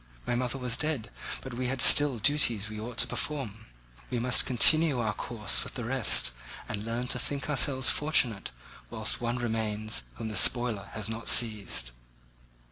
My mother was dead, but we had still duties which we ought to perform; we must continue our course with the rest and learn to think ourselves fortunate whilst one remains whom the spoiler has not seized.